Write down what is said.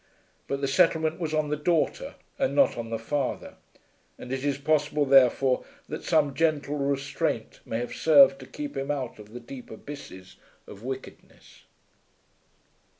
But the settlement was on the daughter and not on the father; and it is possible therefore that some gentle restraint may have served to keep him out of the deep abysses of wickedness.